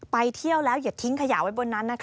เที่ยวแล้วอย่าทิ้งขยะไว้บนนั้นนะคะ